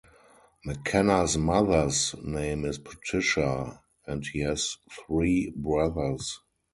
McKenna's mother's name is Patricia, and he has three brothers.